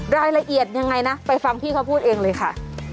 รายละเอียดยังไงนะไปฟังพี่เขาพูดเองเลยค่ะ